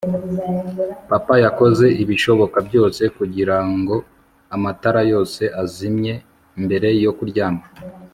papa yakoze ibishoboka byose kugirango amatara yose azimye mbere yo kuryama